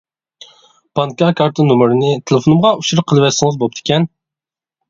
بانكا كارتا نومۇرىنى تېلېفونۇمغا ئۇچۇر قىلىۋەتسىڭىز بوپتىكەن.